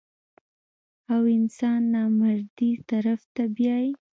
او انسان نامردۍ طرف ته بيائي -